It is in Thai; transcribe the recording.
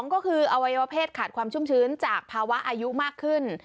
ก็คืออวัยวะเพศขาดความชุ่มชื้นจากภาวะอายุมากขึ้น